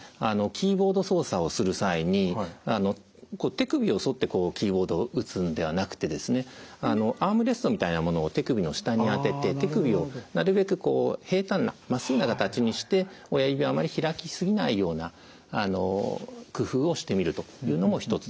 キーボード操作をする際に手首を反ってキーボードを打つんではなくてアームレストみたいなものを手首の下に当てて手首をなるべく平たんなまっすぐな形にして親指をあまり開き過ぎないような工夫をしてみるというのも一つだと思います。